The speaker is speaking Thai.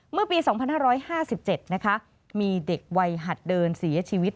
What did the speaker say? เมื่อปี๒๕๕๗นะคะมีเด็กวัยหัดเดินเสียชีวิต